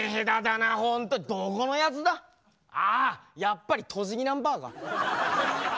あやっぱり栃木ナンバーか。